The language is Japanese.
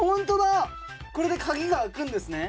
これで鍵が開くんですね。